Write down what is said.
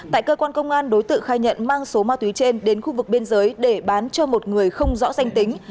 tại cơ quan công an đối tượng khai nhận mang số ma túy trên đến khu vực biên giới để bán cho một người không rõ danh tính